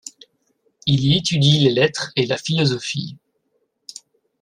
Il y étudie les lettres et la philosophie.